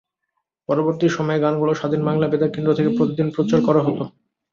পরবর্তী সময়ে গানগুলো স্বাধীন বাংলা বেতার কেন্দ্র থেকে প্রতিদিন প্রচার করা হতো।